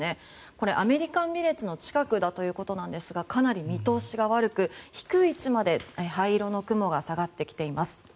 これアメリカンビレッジの近くだということなんですがかなり見通しが悪く低い位置まで灰色の雲が下がってきています。